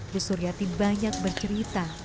bu suryati banyak bercerita